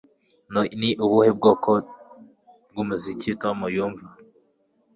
Ni ubuhe bwoko bwumuziki Tom yumva